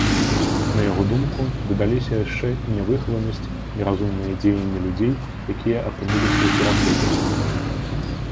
На яго думку, дадаліся яшчэ і нявыхаванасць, неразумныя дзеянні людзей, якія апынуліся ў пераходзе.